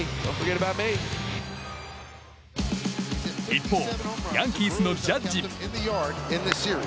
一方、ヤンキースのジャッジ。